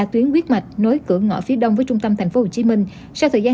tuy nhiên cần có sự chuẩn bị thật kỹ